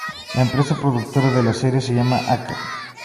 La empresa productora de la serie se llama a.k.a.